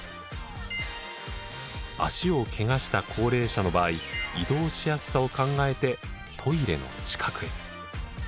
足をケガした高齢者の場合移動しやすさを考えてトイレの近くへ。